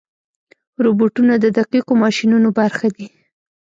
روبوټونه د دقیقو ماشینونو برخه دي.